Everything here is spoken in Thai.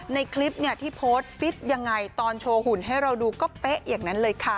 ในคลิปเนี่ยที่โพสต์ฟิตยังไงตอนโชว์หุ่นให้เราดูก็เป๊ะอย่างนั้นเลยค่ะ